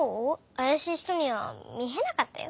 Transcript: あやしい人にはみえなかったよ。